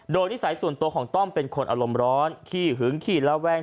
โดยนิสัยส่วนตัวของต้อมเป็นคนอารมณ์ร้อนขี้หึงขี้ละแวง